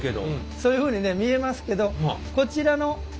そういうふうにね見えますけどこちらの上と下ですね